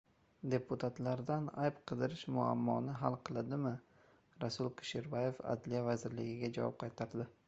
«Deputatlardan ayb qidirish muammoni hal qiladimi?» Rasul Kusherbayev Adliya vazirligiga javob qaytardi